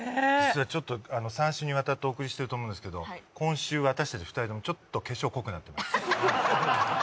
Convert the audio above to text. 実はちょっと３週にわたってお送りしてると思うんですけど今週私たち２人ともちょっと化粧濃くなってます。